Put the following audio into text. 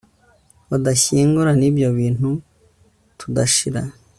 badashyingura nibyo bintu tudashira